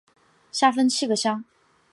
下分七个乡。